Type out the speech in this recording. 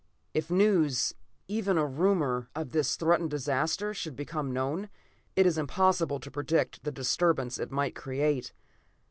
If news, even a rumor, of this threatened disaster should become known, it is impossible to predict the disturbance it might create.